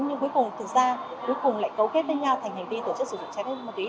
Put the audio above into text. nhưng cuối cùng thực ra cuối cùng lại cấu kết với nhau thành hành vi tổ chức sử dụng trái phép ma túy